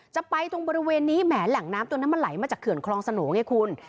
จะไปตรงบริเวณนี้แหมแหล่งน้ำตรงนั้นมันไหลมาจากเขื่อนคลองสโหน่ไงคุณ